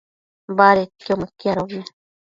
badedquio mëquiadobi